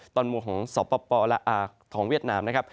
ตอนบนของศพพและอ่างของเวียดนามนะครับ